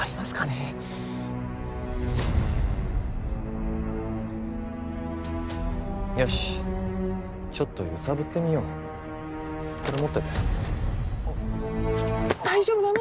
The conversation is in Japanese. うーんよしちょっと揺さぶってみようこれ持ってて大丈夫なの？